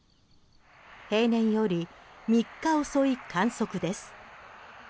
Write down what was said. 平年より３日遅い観測です。